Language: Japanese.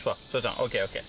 ＯＫ！ＯＫ！